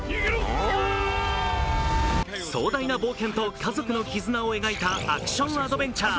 壮大な冒険と家族の絆を描いたアクションアドベンチャー。